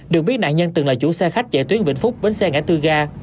được biết nạn nhân từng là chủ xe khách chạy tuyến vĩnh phúc bến xe ngã tư ga